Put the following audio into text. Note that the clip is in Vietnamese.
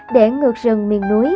để ngược rừng miền núi